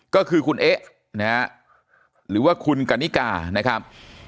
ก็คือคุณเอ๊ะนะฮะหรือว่าคุณกันนิกานะครับ